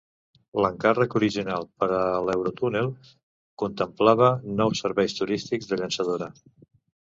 L'encàrrec original per a l'Eurotunnel contemplava nou serveis turístics de llançadora.